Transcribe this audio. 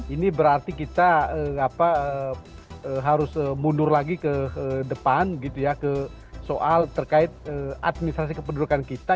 ini berarti kita harus mundur lagi ke depan gitu ya ke soal terkait administrasi kependudukan kita